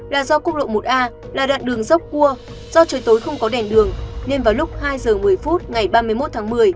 là do quốc lộ một a là đoạn đường dốc cua do trời tối không có đèn đường nên vào lúc hai giờ một mươi phút ngày ba mươi một tháng một mươi